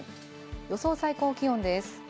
予想最高気温です。